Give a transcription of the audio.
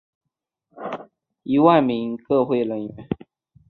香港地球之友现有超过一万名个人会员。